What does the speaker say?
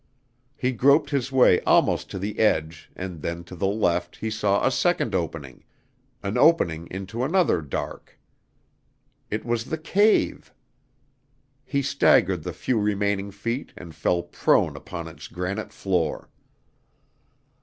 He groped his way almost to the edge and then to the left he saw a second opening an opening into another dark. It was the cave. He staggered the few remaining feet and fell prone upon its granite floor.